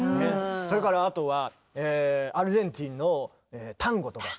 それからあとはアルゼンチンのタンゴとか。